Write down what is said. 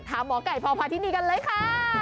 ถามหมอกัยพอพาทินีกันเลยค่ะ